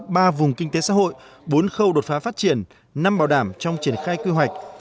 ba vùng kinh tế xã hội bốn khâu đột phá phát triển năm bảo đảm trong triển khai quy hoạch